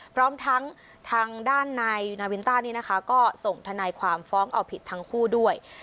พร้อมทั้งทางด้านนายนาวินต้านี่นะคะก็ส่งทนายความฟ้องเอาผิดทั้งคู่ด้วย